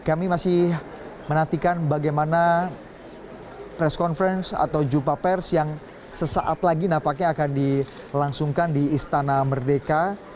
kami masih menantikan bagaimana press conference atau jumpa pers yang sesaat lagi nampaknya akan dilangsungkan di istana merdeka